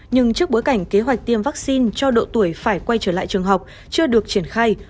nhưng trước bối cảnh kế hoạch tiêm vaccine cho độ tuổi phải quay trở lại trường học chưa được triển khai